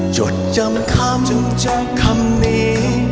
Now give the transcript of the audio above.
จดจำคำคำนี้